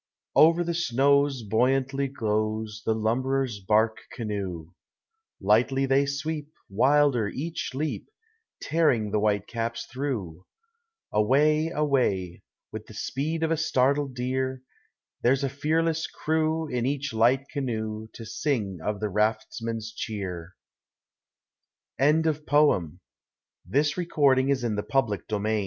Over the Snows Buoyantly goes The lumberers' bark canoe: Lightly they sweep, Wilder each leap, Tearing the white caps through. Away ! Away ! With the speed of a startled deer, There 's a fearless crew In each light canoe To sing of the raftsmen's cheer. CHARLES SANGSTER. INLAND WATERS: HIGHLANDS.